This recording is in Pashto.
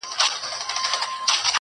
تا مي غریبي راته پیغور کړله ,